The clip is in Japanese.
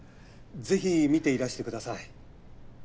ぜひ見ていらしてください。